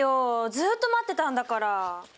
ずっと待ってたんだから。